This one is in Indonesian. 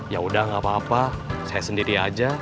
yaudah gak apa apa saya sendiri aja